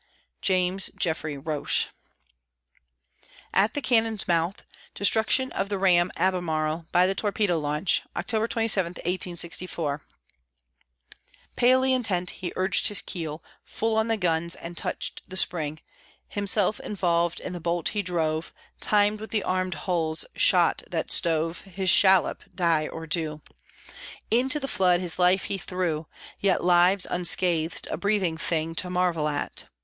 JAMES JEFFREY ROCHE. AT THE CANNON'S MOUTH DESTRUCTION OF THE RAM ALBEMARLE BY THE TORPEDO LAUNCH, OCTOBER 27, 1864 Palely intent, he urged his keel Full on the guns, and touched the spring; Himself involved in the bolt he drove Timed with the armed hull's shot that stove His shallop die or do! Into the flood his life he threw, Yet lives unscathed a breathing thing To marvel at.